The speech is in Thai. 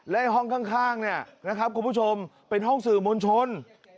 และห้องข้างเนี่ยนะครับคุณผู้ชมเป็นห้องสื่อมวลชน